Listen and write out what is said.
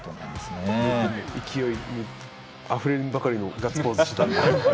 勢いあふれんばかりのガッツポーズしてたので。